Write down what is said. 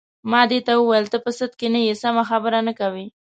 ما دې ته وویل: ته په سد کې نه یې، سمه خبره نه کوې.